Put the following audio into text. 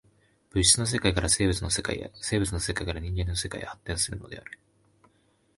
物質の世界から生物の世界へ、生物の世界から人間の世界へ発展するのである。